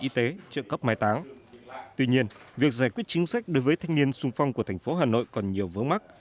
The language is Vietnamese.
tuy nhiên việc giải quyết chính sách đối với thanh niên xung phong của tp hà nội còn nhiều vướng mắc